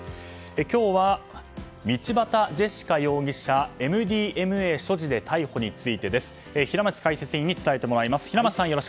今日は道端ジェシカ容疑者ＭＤＭＡ所持の疑いで逮捕についてです。平松解説委員に伝えてもらいます。